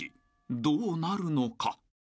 どうなるのか？］